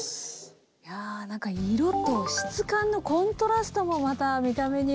いや何か色と質感のコントラストもまた見た目に新しいですね。